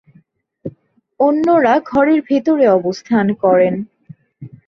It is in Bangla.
অন্যরা ঘরের ভেতরে অবস্থান করে।